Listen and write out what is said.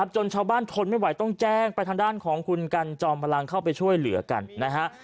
จนชาวบ้านทนไม่ไหวต้องแจ้งไปทางด้านของคุณกันจอมพลังเข้าไปช่วยเหลือกันนะฮะ